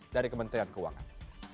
dari kementerian keuangan